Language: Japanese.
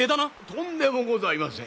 とんでもございません。